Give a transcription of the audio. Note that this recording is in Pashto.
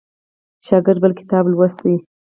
شاګرد بل کتاب لوستی.